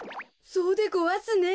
そうでごわすね。